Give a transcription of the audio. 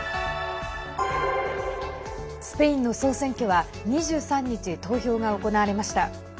スペインの総選挙は２３日投票が行われました。